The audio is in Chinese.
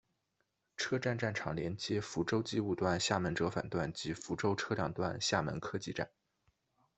车站站场连接福州机务段厦门折返段及福州车辆段厦门客技站。